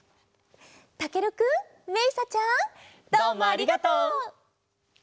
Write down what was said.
たけるくんめいさちゃん。どうもありがとう！